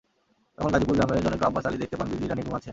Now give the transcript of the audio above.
তখন গাজীপুর গ্রামের জনৈক আব্বাস আলী দেখতে পান বিজলী রানী গোঙাচ্ছেন।